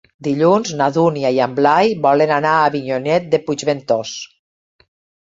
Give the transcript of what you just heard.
Dilluns na Dúnia i en Blai volen anar a Avinyonet de Puigventós.